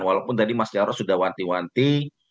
walaupun tadi mas jarod sudah wanti wanti